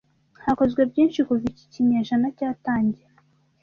Hakozwe byinshi kuva iki kinyejana cyatangira.